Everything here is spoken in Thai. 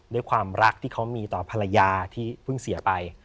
ด้วยความรักที่เขามีต่อภรรยาที่เพิ่งเสียไป